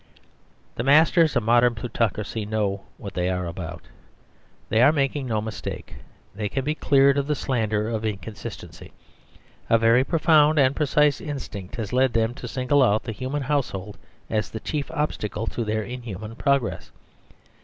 The masters of modern plutocracy know what they are about They are making no mistake ; they can be cleared of the slander of inconsistency. A very profound and precise instinct has led them to single out the human household as the chief obstacle to their in human progress.